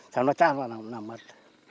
chẳng nói chăn hoặc là mất